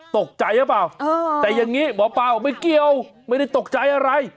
ตกใจหรือเปล่าแต่อย่างนี้หมอปลาบอกไม่เกี่ยวไม่ได้ตกใจอะไร